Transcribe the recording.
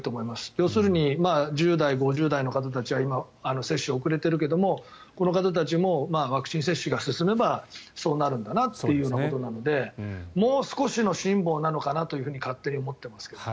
要するに４０代、５０代の方たちは今、接種が遅れているけどこの方たちもワクチン接種が進めばそうなるんだなということなのでもう少しの辛抱なのかなと勝手に思ってますけど。